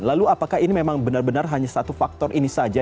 lalu apakah ini memang benar benar hanya satu faktor ini saja